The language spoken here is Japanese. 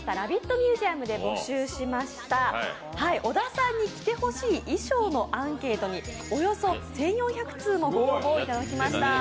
ミュージアムで募集しました小田さんに着てほしい衣装のアンケートにおよそ１４００通もご応募をいただきました。